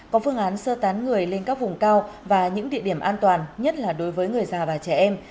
có phương án sơ tán người lên các vùng cao và những địa điểm an toàn nhất là đối với người già và trẻ em